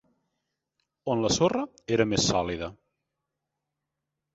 on la sorra era més sòlida.